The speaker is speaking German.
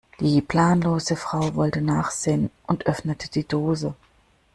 Die planlose Frau wollte nachsehen und öffnete die Dose.